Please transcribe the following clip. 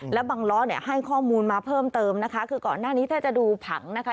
แล้วบังล้อเนี่ยให้ข้อมูลมาเพิ่มเติมนะคะคือก่อนหน้านี้ถ้าจะดูผังนะคะ